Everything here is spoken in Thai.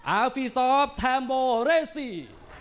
อาฟิสอฟแทมโบเรสซี่